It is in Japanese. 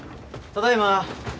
ただいま。